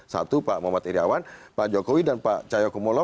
satu pak muhammad iryawan pak jokowi dan pak cahyokumolo